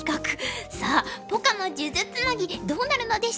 さあポカの数珠つなぎどうなるのでしょうか。